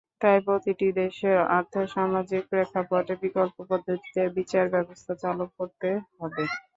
তাই প্রতিটি দেশের আর্থসামাজিক প্রেক্ষাপটে বিকল্প পদ্ধতিতে বিচার ব্যবস্থা চালু করতে হবে।